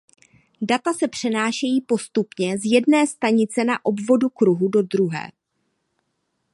Data se přenášejí postupně z jedné stanice na obvodu kruhu do druhé.